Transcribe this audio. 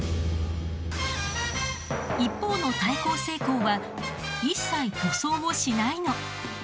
一方の耐候性鋼は一切塗装をしないの。